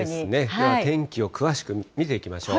では天気を詳しく見ていきましょう。